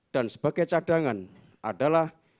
dan sebagai cadangan adalah